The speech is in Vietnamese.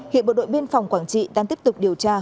hiện bộ đội biên phòng quảng trị đang tiếp tục điều tra